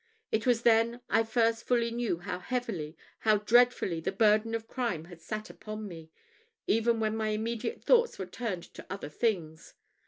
It was then I first fully knew how heavily, how dreadfully the burden of crime had sat upon me, even when my immediate thoughts were turned to other things.